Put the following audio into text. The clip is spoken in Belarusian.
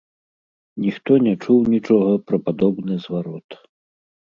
Ніхто не чуў нічога пра падобны зварот.